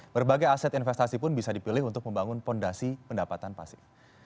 berbagai aset investasi pun bisa dipilih untuk membangun fondasi pendapatan pasif